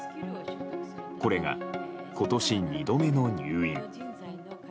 これが、今年２度目の入院。